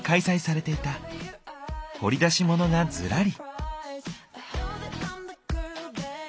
掘り出しモノがずらり。